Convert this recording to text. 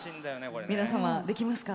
皆様、できますか？